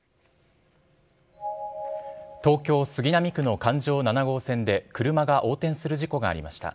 東京・杉並区の環状７号線で、車が横転する事故がありました。